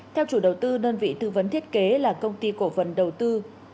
theo chủ đầu tư đơn vị tư vấn thiết kế là công ty cổ phần đầu tư